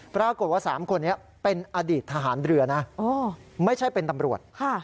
ปรากฏว่า๓คนนี้เป็นอดีตทหารเรือนะไม่ใช่เป็นตำรวจ